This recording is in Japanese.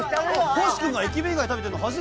星君が駅弁以外食べてんの初めて見た！